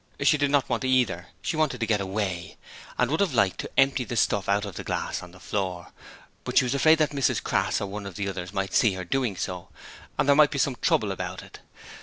She did not want either; she wanted to get away, and would have liked to empty the stuff out of the glass on the floor, but she was afraid that Mrs Crass or one of the others might see her doing so, and there might be some trouble about it.